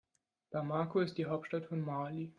Bamako ist die Hauptstadt von Mali.